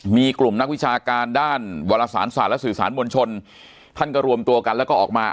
มีกลุ่มนักวิชาการด้านวรสารศาสตร์และสื่อสารมวลชนท่านก็รวมตัวกันแล้วก็ออกมา